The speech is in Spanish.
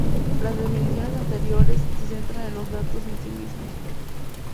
Las definiciones anteriores se centran en los datos en sí mismos.